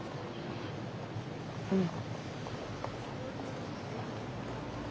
うん。